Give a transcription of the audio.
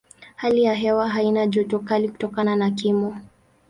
Hali ya hewa haina joto kali kutokana na kimo.